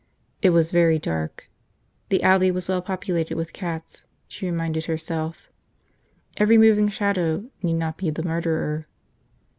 It was very dark. The alley was well populated with cats, she reminded herself. Every moving shadow need not be the murderer.